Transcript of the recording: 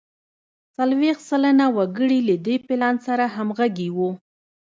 څلوېښت سلنه وګړي له دې پلان سره همغږي وو.